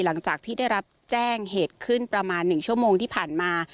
หลังจากที่ได้รับแจ้งเหตุขึ้นประมาณ๑ชั่วโมงที่ผ่านมา